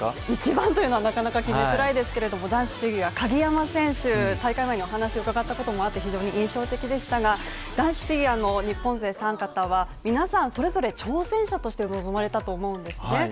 一番というのはなかなか決めづらいですけれども男子フィギュア、鍵山選手、大会前にお話を伺ったこともあって非常に印象的でしたが男子フィギュアの日本勢お三方はそれぞれ挑戦者として臨まれたと思うんですね。